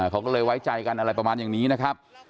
เขาก็เลยไว้ใจกันอะไรประมาณอย่างนี้นะครับ